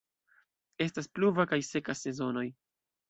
Estas pluva kaj seka sezonoj.